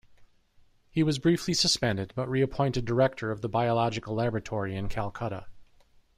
He was briefly suspended but reappointed director of the Biological Laboratory in Calcutta.